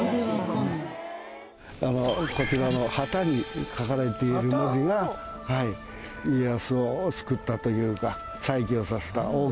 こちらの旗に書かれている文字が家康を救ったというか再起をさせた大きな。